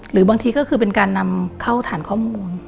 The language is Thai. หรือบางทีก็คือเป็นการนำเข้าฐานข้อมูล